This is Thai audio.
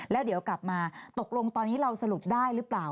แล้วเดี๋ยวกลับมาตกลงตอนนี้เราสรุปได้หรือเปล่า